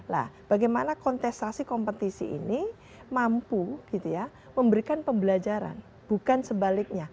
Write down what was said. nah bagaimana kontestasi kompetisi ini mampu gitu ya memberikan pembelajaran bukan sebaliknya